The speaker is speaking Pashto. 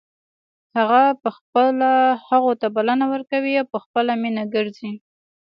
هغه په خپله هغو ته بلنه ورکوي او په خپله مینه ګرځي.